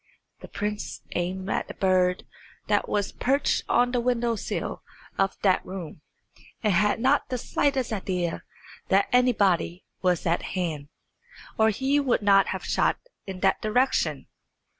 The prince aimed at a bird that was perched on the window sill of that room, and had not the slightest idea that anybody was at hand, or he would not have shot in that direction.